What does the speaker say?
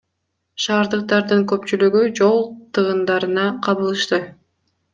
Шаардыктардын көпчүлүгү жол тыгындарына кабылышты.